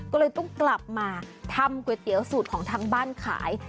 ก็เลยต้องกลับมาทำก๋วยเตี๋ยวสูตรของทางบ้านขาย